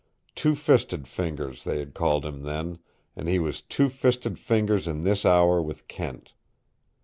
Two Fisted Fingers they had called him then, and he was Two Fisted Fingers in this hour with Kent.